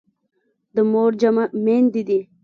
د مور جمع میندي دي.